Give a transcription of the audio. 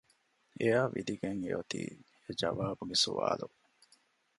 އެއާ ވިދިގެން އެ އޮތީ އެ ޖަވާބުގެ ސުވާލު